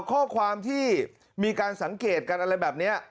ข้อความที่มีการสังเกตกันอะไรแบบนี้